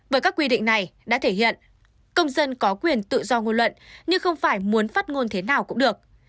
bởi các quy định này đã thể hiện công dân có quyền tự do ngôn luận nhưng không phải muốn phát ngôn thế nào cũng được